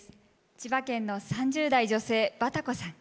千葉県の３０代・女性ばたこさん。